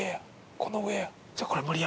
この上や。